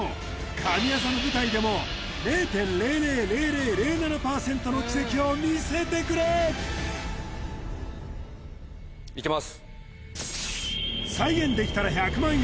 神業の舞台でも０．０００００７％の奇跡を見せてくれただ